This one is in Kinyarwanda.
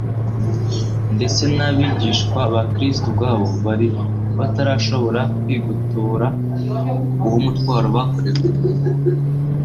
Ndetse n'abigishwa ba Kristo ubwabo bari batarashobora kwigobotora uwo mutwaro bakorewe